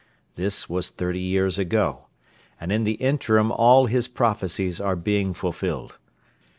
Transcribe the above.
This was thirty years ago and in the interim all his prophecies are being fulfilled.